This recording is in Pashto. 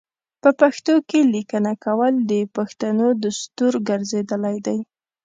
په پښتو کې لیکنه کول د پښتنو دستور ګرځیدلی دی.